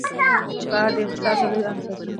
کار د اقتصادي تولید اساسي عنصر دی.